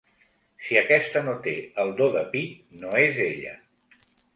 Si aquesta no té el do de pit no és ella.